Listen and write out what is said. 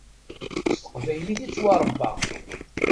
S teqbaylit i ttwaṛebbaɣ.